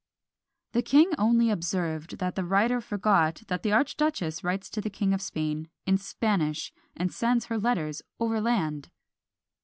The king only observed, that the writer forgot that the archduchess writes to the King of Spain in Spanish, and sends her letters overland.